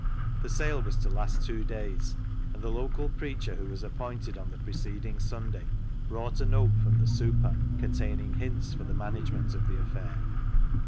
The sale was to last two days, and the local preacher who was appointed on the preceding Sunday brought a note from the " super " con 334 CLOG SHOP CHRONICLES taining hints for the management of the affair.